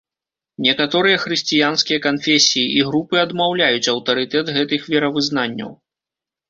Некаторыя хрысціянскія канфесіі і групы адмаўляюць аўтарытэт гэтых веравызнанняў.